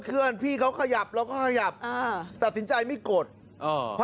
ตรงพอกลับรถจุฬิศาลมา